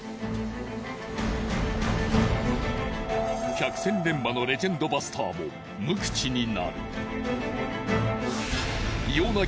百戦錬磨のレジェンドバスターも無口になる。